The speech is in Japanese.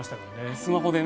スマホでね。